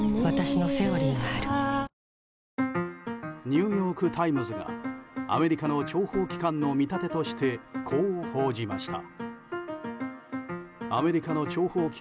ニューヨーク・タイムズがアメリカの諜報機関の見立てとしてこう報じました。